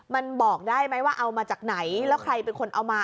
มันบอกได้ไหมว่าเอามาจากไหนแล้วใครเป็นคนเอามา